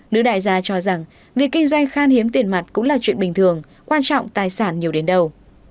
nữ đại gia cho rằng việc kinh doanh khan hiếm tiền mặt cũng là chuyện bình thường quan trọng tài sản nhiều đến đâu